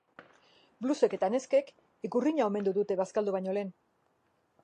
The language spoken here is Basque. Blusek eta neskek ikurriña omendu dute bazkaldu baino lehen.